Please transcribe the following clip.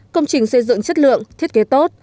công trình xây dựng chất lượng thiết kế tốt